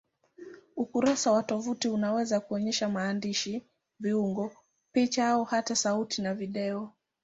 Ukurasa wa tovuti unaweza kuonyesha maandishi, viungo, picha au hata sauti na video.